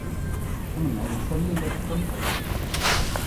Anemhal n Sami yella d tameṭṭut.